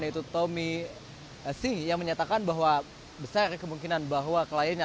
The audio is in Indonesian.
yaitu tommy sih yang menyatakan bahwa besar kemungkinan bahwa kliennya